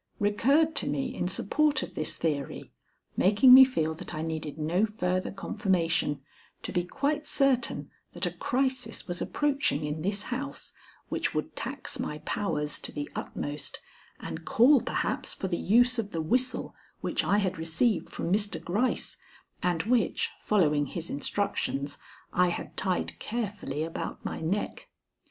recurred to me in support of this theory, making me feel that I needed no further confirmation, to be quite certain that a crisis was approaching in this house which would tax my powers to the utmost and call perhaps for the use of the whistle which I had received from Mr. Gryce, and which, following his instructions, I had tied carefully about my neck.